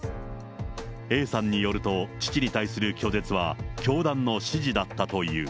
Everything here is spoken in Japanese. Ａさんによると、父に対する拒絶は、教団の指示だったという。